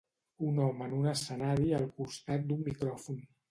Un home en un escenari al costat d'un micròfon.